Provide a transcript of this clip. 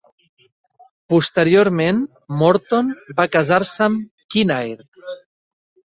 Posteriorment, Morton va casar-se amb Kinnaird.